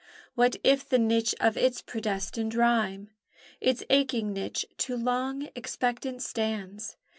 What if the niche of its predestined rhyme, Its aching niche, too long expectant stands?